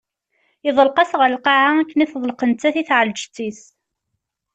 Yeḍleq-as ɣer lqaɛa akken i teḍleq nettat i tɛelǧet-is.